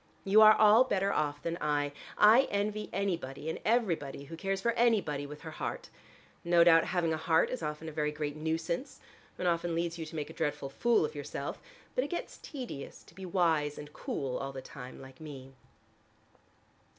You are all better off than I. I envy anybody and everybody who cares for anybody with her heart. No doubt having a heart is often a very great nuisance, and often leads you to make a dreadful fool of yourself, but it gets tedious to be wise and cool all the time like me."